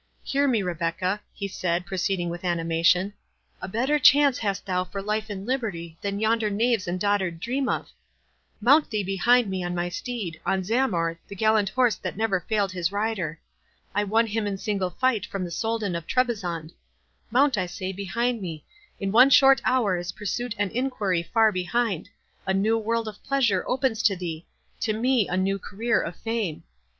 Hear me, Rebecca," he said, proceeding with animation; "a better chance hast thou for life and liberty than yonder knaves and dotard dream of. Mount thee behind me on my steed—on Zamor, the gallant horse that never failed his rider. I won him in single fight from the Soldan of Trebizond—mount, I say, behind me—in one short hour is pursuit and enquiry far behind—a new world of pleasure opens to thee—to me a new career of fame.